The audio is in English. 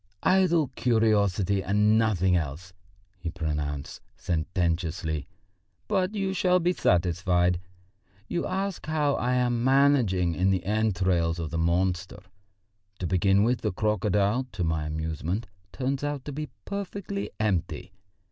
"Idle curiosity and nothing else," he pronounced sententiously, "but you shall be satisfied. You ask how I am managing in the entrails of the monster? To begin with, the crocodile, to my amusement, turns out to be perfectly empty.